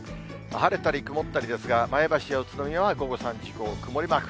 晴れたり曇ったりですが、前橋や宇都宮は午後３時以降、曇りマーク。